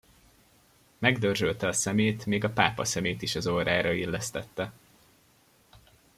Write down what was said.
Megdörzsölte a szemét, még a pápaszemét is az orrára illesztette.